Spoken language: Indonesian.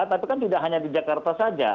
tapi kan tidak hanya di jakarta saja